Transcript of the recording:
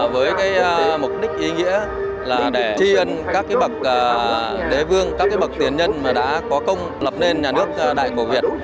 với mục đích ý nghĩa là để tri ân các bậc đế vương các bậc tiền nhân đã có công lập nên nhà nước đại cổ việt